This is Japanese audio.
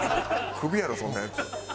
クビやろそんなヤツ。